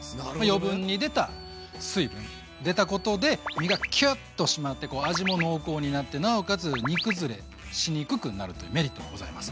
余分に出た水分出たことで身がキュッと締まってこう味も濃厚になってなおかつ煮くずれしにくくなるというメリットもございます。